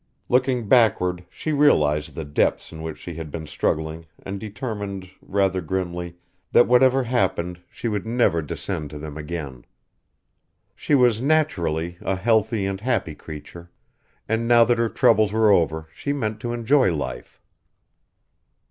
Looking backward she realised the depths in which she had been struggling and determined, rather grimly, that whatever happened she would never descend to them again. She was naturally a healthy and a happy creature, and now that her troubles were over she meant to enjoy life.